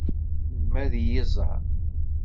Melmi ad iyi-iẓeṛ?